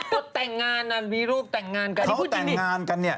ก็แต่งงานนะมีรูปแต่งงานกัน